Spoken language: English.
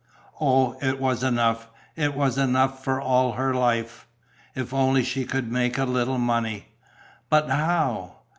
Oh, it was enough, it was enough for all her life! If only she could make a little money! But how?